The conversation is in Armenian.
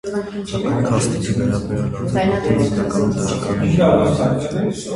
Սակայն, քասթինգի վերաբերյալ արձագանքները հիմնականում դրական են եղել։